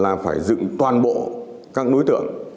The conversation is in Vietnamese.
và phải dựng toàn bộ các đối tượng